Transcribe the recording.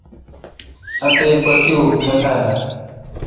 اتیک پہ تی اوپ نہ تھال اؘ۔